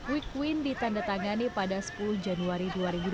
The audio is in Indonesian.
week win di tanda tangani pada sepuluh januari dua ribu dua puluh